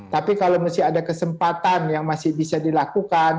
tapi kalau masih ada kesempatan yang masih bisa dilakukan